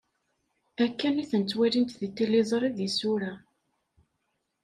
Akken i ten-ttwalint deg tiliẓri d yisura.